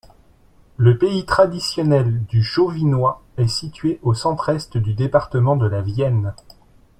Le pays traditionnel du Chauvinois est situé au centre-est du département de la Vienne.